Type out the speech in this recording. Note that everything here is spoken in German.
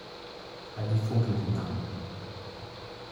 Heidi funkelt ihn an.